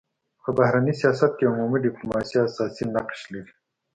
په بهرني سیاست کي عمومي ډيپلوماسي اساسي نقش لري.